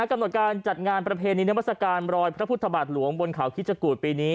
กำหนดการจัดงานประเพณีนามัศกาลรอยพระพุทธบาทหลวงบนเขาคิดจกูธปีนี้